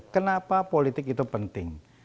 kenapa politik itu penting